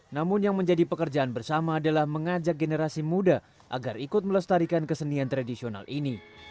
namun yang menjadi pekerjaan bersama adalah mengajak generasi muda agar ikut melestarikan kesenian tradisional ini